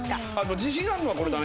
「自信あるのはこれだね」